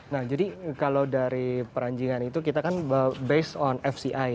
nah jadi kalau dari perancingan itu kita kan based on fci